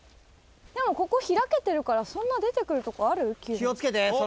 ここ開けているから、そんな出てくるとこ、ある？